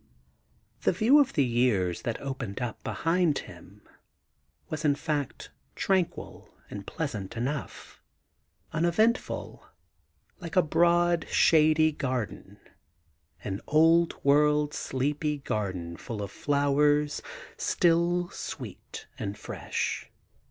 ... The view of the years that opened up behind him was in fact tranquil and pleasant enough; unevent ful; like a broad, shady garden, an old world, sleepy garden full of flowers still sweet and fresh.